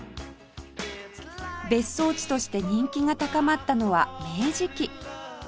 別荘地として人気が高まったのは明治期